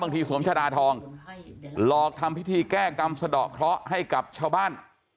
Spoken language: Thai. สวมชะดาทองหลอกทำพิธีแก้กรรมสะดอกเคราะห์ให้กับชาวบ้าน